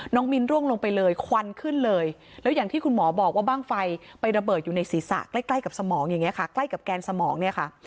มิ้นร่วงลงไปเลยควันขึ้นเลยแล้วอย่างที่คุณหมอบอกว่าบ้างไฟไประเบิดอยู่ในศีรษะใกล้ใกล้กับสมองอย่างนี้ค่ะใกล้กับแกนสมองเนี่ยค่ะ